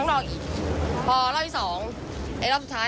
เหรอพี่